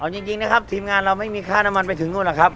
เอาจริงนะครับทีมงานเราไม่มีค่าน้ำมันไปถึงนู่นหรอกครับ